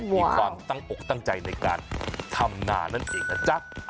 มีความตั้งอกตั้งใจในการทำนานั่นเองนะจ๊ะ